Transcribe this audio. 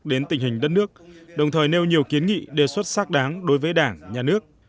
đến tình hình đất nước đồng thời nêu nhiều kiến nghị đề xuất sắc đáng đối với đảng nhà nước